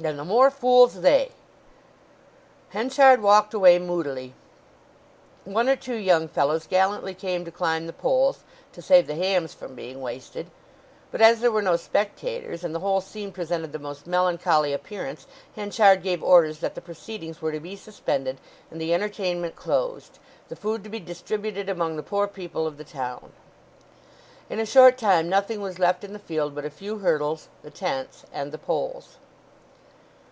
"Then the more fools they!" Henchard walked away moodily. One or two young fellows gallantly came to climb the poles, to save the hams from being wasted; but as there were no spectators, and the whole scene presented the most melancholy appearance Henchard gave orders that the proceedings were to be suspended, and the entertainment closed, the food to be distributed among the poor people of the town. In a short time nothing was left in the field but a few hurdles, the tents, and the poles.